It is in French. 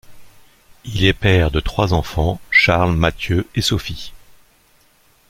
Il est père de trois enfants, Charles, Mathieu et Sophie.